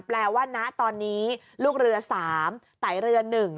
แปลว่าณตอนนี้ลูกเรือ๓ไตเรือ๑